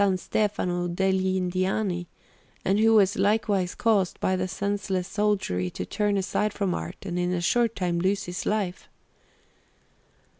Stefano degl' Indiani, and who was likewise caused by the senseless soldiery to turn aside from art and in a short time to lose his life.